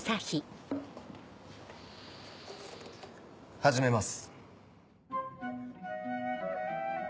始めます。